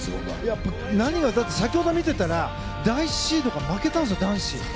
先ほど見ていたら第１シードが負けたんですよ男子。